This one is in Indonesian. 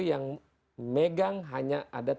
yang megang hanya ada